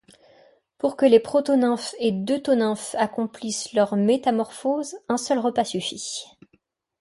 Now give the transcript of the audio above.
Pour que les protonymphes et deutonymphes accomplissent leur métamorphose un seul repas suffit.